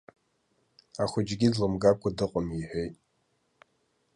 Ахәыҷгьы длымгакәа дыҟам иҳәеит.